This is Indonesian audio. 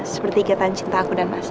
seperti ikatan cinta aku dan masa